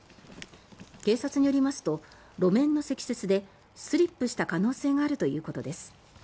警察によりますと路面の積雪でスリップした可能性があるということです。